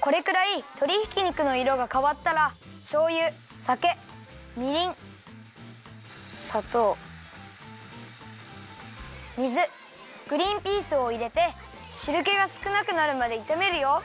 これくらいとりひき肉のいろがかわったらしょうゆさけみりんさとう水グリンピースをいれてしるけがすくなくなるまでいためるよ。